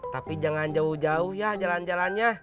tapi jangan jauh jauh ya jalan jalannya